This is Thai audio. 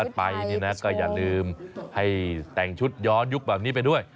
ไปเนี่ยนะก็อย่าลืมให้แต่งชุดย้อนยุคแบบนี้ไปด้วย